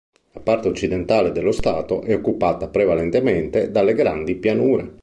La parte occidentale dello Stato è occupata prevalentemente dalle Grandi Pianure.